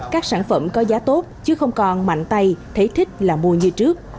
các sản phẩm có giá tốt chứ không còn mạnh tay thấy thích là mua như trước